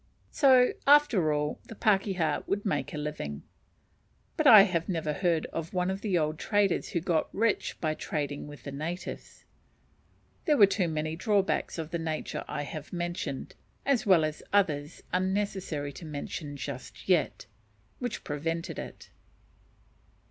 So, after all, the pakeha would make a living; but I have never heard of one of the old traders who got rich by trading with the natives: there were too many drawbacks of the nature I have mentioned, as well as others unnecessary to mention just yet, which prevented it.